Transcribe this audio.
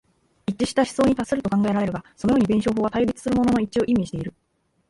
一致した思想に達すると考えられるが、そのように弁証法は対立するものの一致を意味している。